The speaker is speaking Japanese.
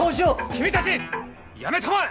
君たちやめたまえ！